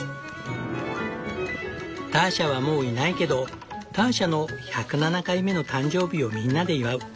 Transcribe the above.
ターシャはもういないけどターシャの１０７回目の誕生日をみんなで祝う。